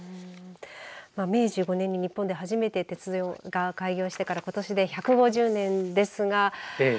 明治５年に日本で初めて鉄道が開業してからことしで１５０年ですがええ。